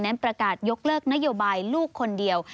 ประกาศยกเลิกนโยบายลูกคนเดียว